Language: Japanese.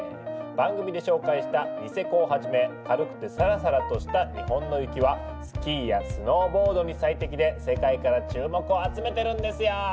番組で紹介したニセコをはじめ軽くてサラサラとした日本の雪はスキーやスノーボードに最適で世界から注目を集めてるんですよ。